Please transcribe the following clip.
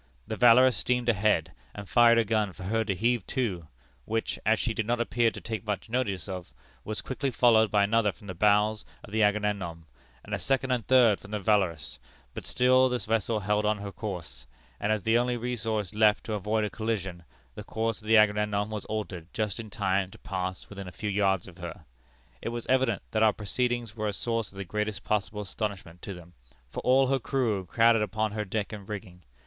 The Valorous steamed ahead, and fired a gun for her to heave to, which, as she did not appear to take much notice of, was quickly followed by another from the bows of the Agamemnon, and a second and third from the Valorous, but still the vessel held on her course; and as the only resource left to avoid a collision, the course of the Agamemnon was altered just in time to pass within a few yards of her. It was evident that our proceedings were a source of the greatest possible astonishment to them, for all her crew crowded upon her deck and rigging.